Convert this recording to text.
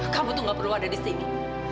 kamu tuh gak perlu ada di sini